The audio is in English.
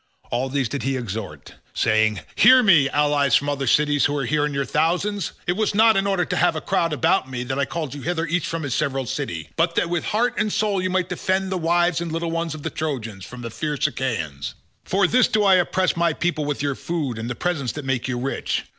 All these did he exhort saying, "Hear me, allies from other cities who are here in your thousands, it was not in order to have a crowd about me that I called you hither each from his several city, but that with heart and soul you might defend the wives and little ones of the Trojans from the fierce Achaeans. For this do I oppress my people with your food and the presents that make you rich.